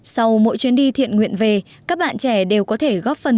sau mỗi chuyến đi thiện nguyện về các bạn trẻ đều có thể góp phần